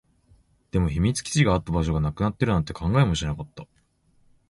でも、秘密基地があった場所がなくなっているなんて考えもしなかった